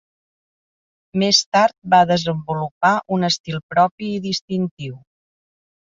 Més tard va desenvolupar un estil propi i distintiu.